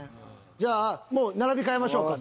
じゃあもう並び替えましょうか。